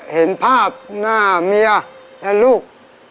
เห็นภาพหน้าเมียและลูก